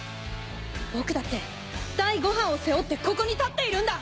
僕だって第五班を背負ってここに立っているんだ！